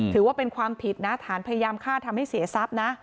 ถือว่าเป็นความผิดนะฐานพยายามฆ่าทำให้เสียทรัพย์นะ